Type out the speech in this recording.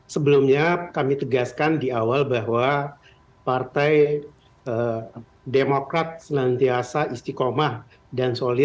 sebelumnya kami tegaskan di awal bahwa partai demokrat senantiasa istiqomah dan solid